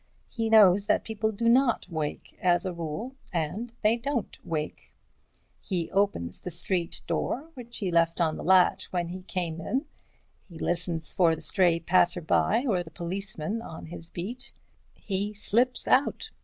He knows that people do not wake as a rule—and they don't wake. He opens the street door which he left on the latch when he came in—he listens for the stray passer by or the policeman on his beat. He slips out.